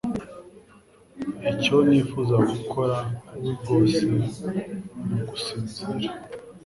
Icyo nifuza gukora rwose ni ugusinzira